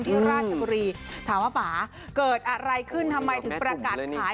ราชบุรีถามว่าป่าเกิดอะไรขึ้นทำไมถึงประกาศขาย